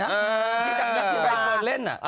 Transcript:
ที่กักงั้นที่เปิดอะไร